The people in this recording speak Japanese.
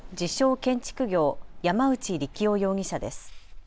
建築業、山内利喜夫容疑者です。